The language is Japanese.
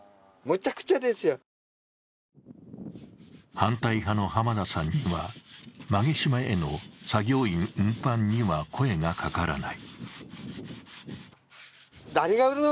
反対派の濱田さんには馬毛島への作業員運搬には声がかからない。